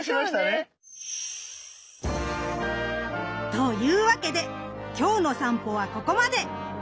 そうね。というわけで今日の散歩はここまで！